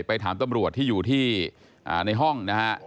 ไปถามตำรวจที่อยู่ที่ในห้องนะฮะ